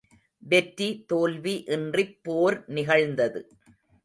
வெற்றி தோல்வி இன்றிப் போர் நிகழ்ந்தது.